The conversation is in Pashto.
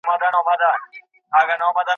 اورنګ دي اوس چپاو کوي پر پېغلو ګودرونو